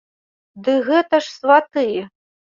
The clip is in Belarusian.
Ды гэта ж сваты!